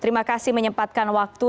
terima kasih menyempatkan waktu